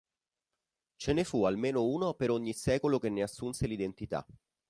Ce ne fu almeno uno per ogni secolo che ne assunse l'identità.